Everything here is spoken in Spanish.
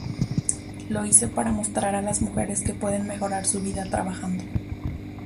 Lo hice para mostrar a las mujeres que pueden mejorar su vida trabajando.